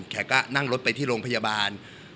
แกก็นั่งรถไปที่โรงพยาบาล